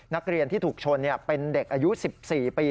นักเรียนที่ถูกชนเป็นเด็กอายุ๑๔ปี